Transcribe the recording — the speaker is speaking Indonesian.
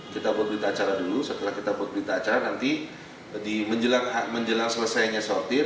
kita buat berita acara dulu setelah kita buat berita acara nanti menjelang selesainya sotir